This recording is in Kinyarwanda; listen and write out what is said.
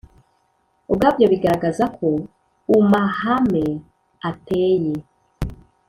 ubwabyo bigaragaza ko umahame ateye